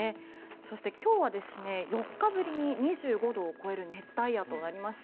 そして今日は４日ぶりに２５度を超える熱帯夜となりました。